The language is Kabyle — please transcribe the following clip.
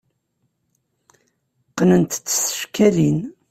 Qqnent-tt s tcekkalin.